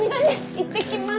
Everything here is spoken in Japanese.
行ってきます。